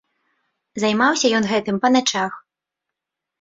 Займаўся ён гэтым па начах.